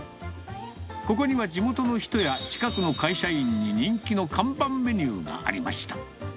ここには地元の人や近くの会社員に人気の看板メニューがありました。